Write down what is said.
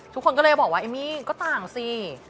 ทุกคนก็เลยบอกว่าเอมมี่ก็ต่างสิ